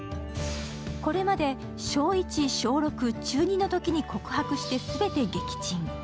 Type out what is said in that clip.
これまで小１、小６、中２のときに告白して全て撃沈。